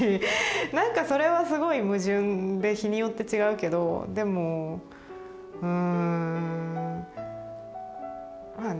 なんかそれはすごい矛盾で日によって違うけどでもうんまあね